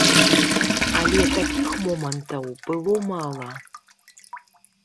Але такіх момантаў было мала.